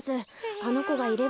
あのこがいれば。